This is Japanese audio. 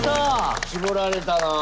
絞られたな。